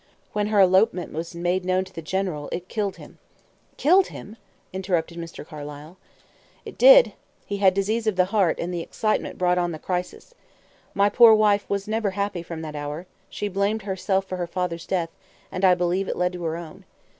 When her elopement was made known to the general, it killed him." "Killed him!" interrupted Mr. Carlyle. "It did. He had disease of the heart, and the excitement brought on the crisis. My poor wife never was happy from that hour; she blamed herself for her father's death, and I believe it led to her own.